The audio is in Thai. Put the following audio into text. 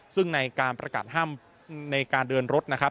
ซึ่งในการประกาศห้ามในการเดินรถนะครับ